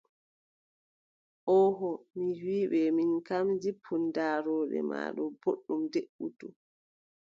Ooho mi wii ɓe min kam, jippun daarooɗe ma ɗo booɗɗum, deʼutu.